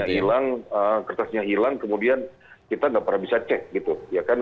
hilang kertasnya hilang kemudian kita nggak pernah bisa cek gitu ya kan